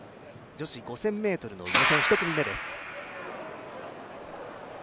女子５０００ｍ予選、１組目です。